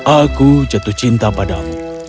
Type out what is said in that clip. aku jatuh cinta padamu